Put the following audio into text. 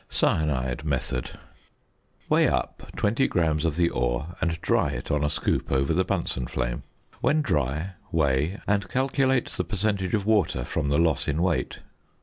~Cyanide Method.~ Weigh up 20 grams of the ore and dry it on a scoop over the Bunsen flame. When dry, weigh, and calculate the percentage of water from the loss in weight.